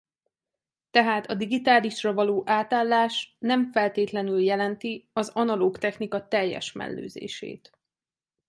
Tehát a digitálisra való átállás nem feltétlenül jelenti az analóg technika teljes mellőzését.